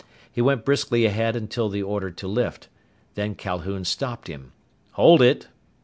He went briskly ahead until the order to lift. Then Calhoun stopped him. "Hold it!"